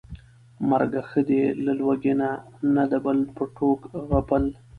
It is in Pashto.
مرګ ښه دى له لوږې نه، نه د بل په ټوک غپل